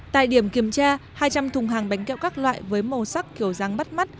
tại điểm kiểm tra hai trăm linh thùng hàng bánh kẹo các loại với màu sắc kiểu dáng bắt mắt